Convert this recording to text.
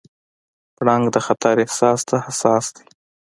پړانګ د خطر احساس ته حساس دی.